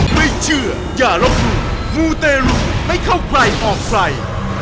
ไม่เชื่ออย่ารบหลุมมูเตรุไม่เข้าใกล้ออกไฟ